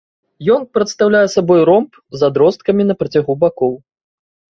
Ён прадстаўляе сабой ромб з адросткамі на працягу бакоў.